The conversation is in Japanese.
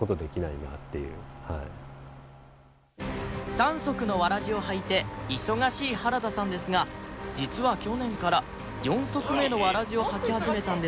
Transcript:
三足のわらじをはいて忙しい原田さんですが実は去年から四足目のわらじをはき始めたんです